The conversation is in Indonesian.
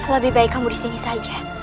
lebih baik kamu di sini saja